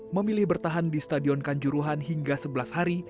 memilih bertahan di stadion kanjuruhan hingga sebelas hari